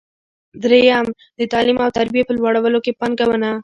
درېیم: د تعلیم او تربیې په لوړولو کې پانګونه.